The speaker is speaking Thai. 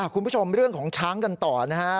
คุณผู้ชมเรื่องของช้างกันต่อนะฮะ